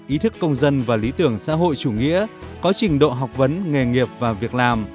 ý thức công dân và lý tưởng xã hội chủ nghĩa có trình độ học vấn nghề nghiệp và việc làm